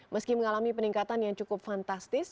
meski mengalami peningkatan yang cukup fantastis